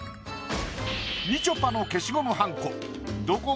みちょぱの消しゴムはんこ